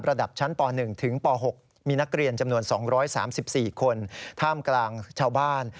ระดับชั้นป๑ถึงป๖มีนักเรียนจำนวน๒๓๔คนท่ามกลางชาวบ้าน